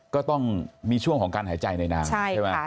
ก็ต้องมีช่วงของการหายใจในน้ำ